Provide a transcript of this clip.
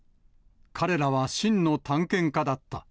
彼らは真の探検家だった。